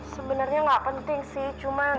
sebenarnya nggak penting sih